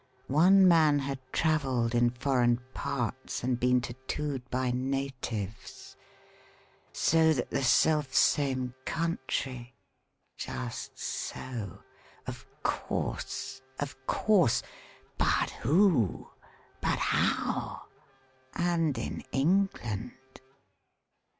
One man had travelled in foreign parts and been tattooed by natives. So that the selfsame country Just so! Of course! Of course! But who? But how? And in England?"